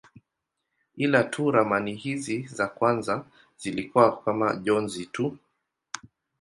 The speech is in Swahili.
Ila tu ramani hizi za kwanza zilikuwa kama njozi tu.